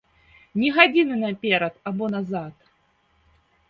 Ні гадзіны наперад або назад.